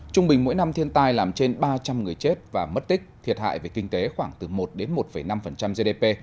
trung bình mỗi năm thiên tai làm trên ba trăm linh người chết và mất tích thiệt hại về kinh tế khoảng từ một đến một năm gdp